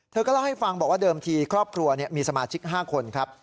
เธอก็เล่าให้ฟังบอกว่าเดิมทีครอบครัวมีสมาชิก๕คนครับ